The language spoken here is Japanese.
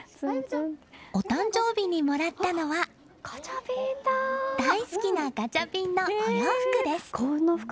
お誕生日にもらったのは大好きなガチャピンのお洋服です。